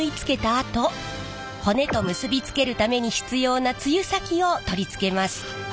あと骨と結び付けるために必要な露先を取り付けます。